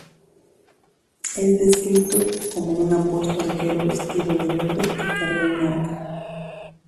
Es descrito como un apuesto arquero vestido de verde que carga un arco.